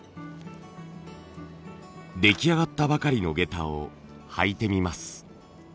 出来上がったばかりの下駄を履いてみます。